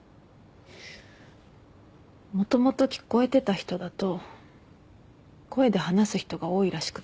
もともと聞こえてた人だと声で話す人が多いらしくて。